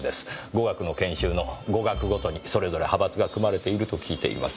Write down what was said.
語学の研修の語学ごとにそれぞれ派閥が組まれていると聞いています。